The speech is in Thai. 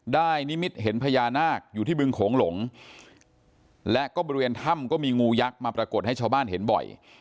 นิมิตเห็นพญานาคอยู่ที่บึงโขงหลงและก็บริเวณถ้ำก็มีงูยักษ์มาปรากฏให้ชาวบ้านเห็นบ่อย